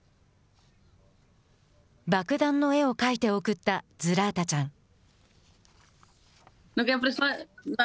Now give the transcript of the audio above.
爆弾の絵を描いて送ったズラータちゃん。